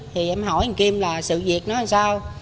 thì em hỏi kim là sự việc nó sao